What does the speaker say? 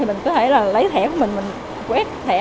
mình có thể lấy thẻ của mình quét thẻ